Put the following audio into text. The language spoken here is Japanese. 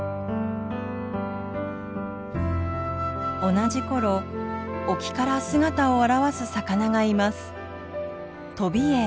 同じ頃沖から姿を現す魚がいます。